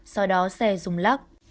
sau đó xe rung lắc